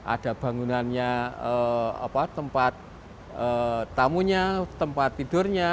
ada bangunannya tempat tamunya tempat tidurnya